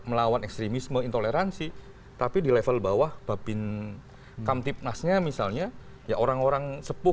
melawan ekstremisme intoleransi tapi di level bawah babin kamtipnas nya misalnya ya orang orang